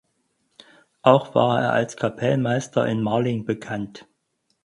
Auch war er als Kapellmeister in Marling bekannt.